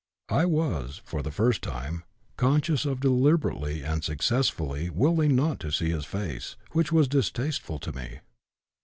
I was, for the first time, conscious of deliberately (and successfully) willing not to see his face, which was distasteful to me.